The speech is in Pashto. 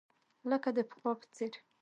لکه د پخوا په څېر.